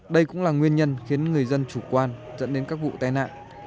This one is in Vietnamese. đây cũng là nguyên nhân khiến người dân chủ quan dẫn đến các vụ tai nạn